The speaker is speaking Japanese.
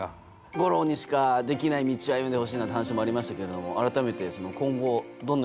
「五郎にしかできない道を歩んでほしい」なんて話もありましたけれども。